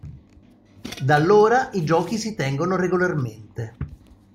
Da allora i giochi si tengono regolarmente.